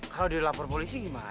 kalau dia lapor polisi gimana